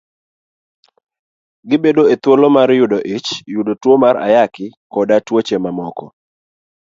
Gibedo e thuolo mar yudo ich, yudo tuo mar Ayaki, koda tuoche mamoko.